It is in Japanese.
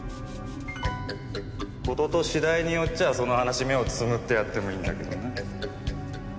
事と次第によっちゃあその話目をつむってやってもいいんだけどな。